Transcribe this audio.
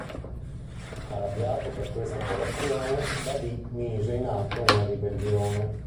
Arrabbiato per questa operazione, Badi' mise in atto una ribellione.